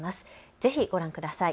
ぜひご覧ください。